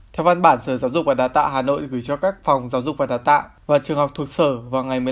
theo văn bản sở giáo dục và đà tạ hà nội gửi cho các phòng giáo dục và đà tạ và trường học thuộc sở vào ngày một mươi năm tháng một mươi